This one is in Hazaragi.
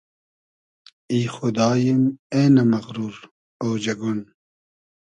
ای خوداییم اېنۂ مئغرور اۉجئگون